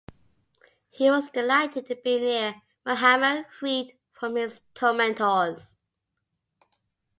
He was delighted to be near Muhammad, freed from his tormentors.